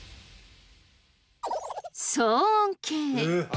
騒音計。